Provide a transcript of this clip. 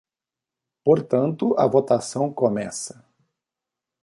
Portanto, a votação começa.